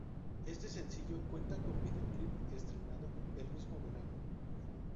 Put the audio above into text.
Este sencillo cuenta con videoclip, estrenado el mismo verano.